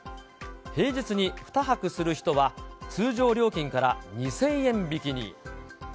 平日に２泊する人は、通常料金から２０００円引きに。